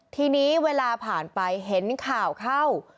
ทีนี้เวลาผ่านไปเห็นข่าวเข้า